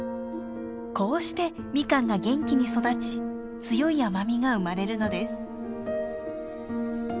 こうしてミカンが元気に育ち強い甘みが生まれるのです。